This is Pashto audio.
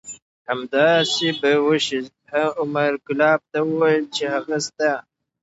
همداسې به وشي. عمر کلاب ته وویل چې هغه ستا